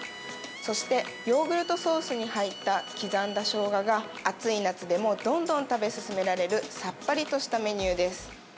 そしてヨーグルトソースに入った刻んだショウガが、暑い夏でもどんどん食べ進められる、さっぱりとしたメニューです。